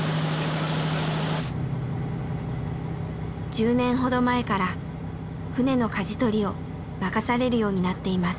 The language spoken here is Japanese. １０年ほど前から船のかじ取りを任されるようになっています。